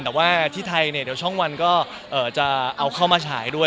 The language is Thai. แต่ว่าที่ไทยช่องวันก็จะเอาเข้ามาฉายด้วย